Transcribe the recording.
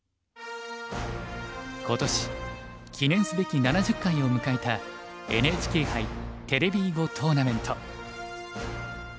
今年記念すべき７０回を迎えた「ＮＨＫ杯テレビ囲碁トーナメント」。